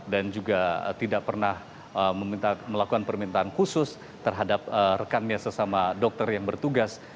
dan juga tidak pernah melakukan permintaan khusus terhadap rekan medis sesama dokter yang bertugas